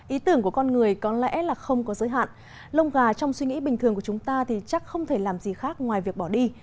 ý tưởng của con người có lẽ là không có giới hạn lông gà trong suy nghĩ bình thường của chúng ta thì chắc không thể làm gì khác ngoài việc bỏ đi